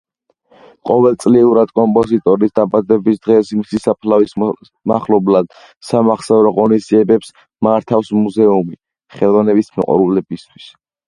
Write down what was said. ყოველწლიურად, კომპოზიტორის დაბადების დღეს, მისი საფლავის მახლობლად, სამახსოვრო ღონისძიებებს მართავს მუზეუმი ხელოვნების მოყვარულებისთვის.